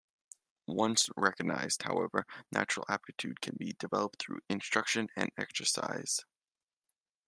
Once recognized, however, natural aptitude can be developed through instruction and exercise.